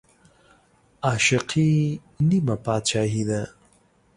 عاشقي نيمه باچاهي ده